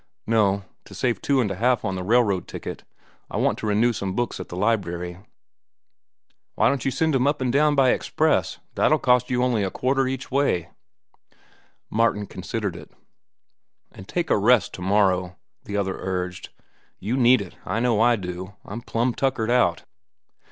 "No; to save two and a half on the railroad ticket. I want to renew some books at the library." "Why don't you send 'em down an' up by express? That'll cost only a quarter each way." Martin considered it. "An' take a rest to morrow," the other urged. "You need it. I know I do. I'm plumb tuckered out."